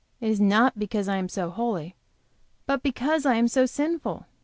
It is not because I am so holy but because I am so sinful.